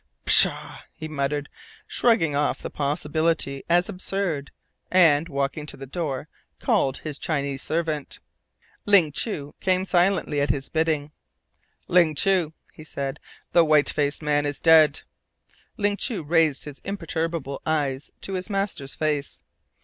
"Pshaw!" he muttered, shrugging off the possibility as absurd, and, walking to the door, called his Chinese servant. Ling Chu came silently at his bidding. "Ling Chu," he said, "the white faced man is dead." Ling Chu raised his imperturbable eyes to his master's face.